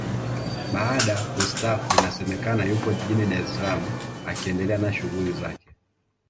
Baada kustaafu inasemekana yupo jijini Dar es Salaam akiendelea na shughuli zake